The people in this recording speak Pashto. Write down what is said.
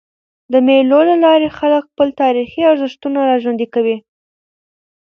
د مېلو له لاري خلک خپل تاریخي ارزښتونه راژوندي کوي.